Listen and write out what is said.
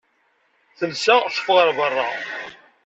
Telsa, teffeɣ ɣer berra.